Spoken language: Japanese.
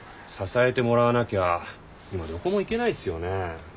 支えてもらわなきゃ今どこも行けないっすよね？